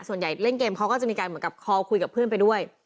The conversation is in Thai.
ส่วนใหญ่เล่นเกมเขาก็จะมีการเหมือนกับคอลคุยกับเพื่อนไปด้วย